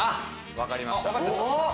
わかりました。